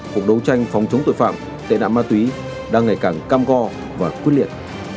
cục đấu tranh phóng chống tội phạm tệ nạn ma túy đang ngày càng cam go và quyết liệt